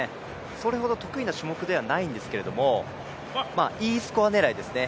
それほど得意な種目ではないんですけど、Ｅスコア狙いですね。